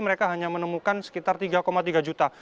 mereka hanya menemukan sekitar tiga tiga juta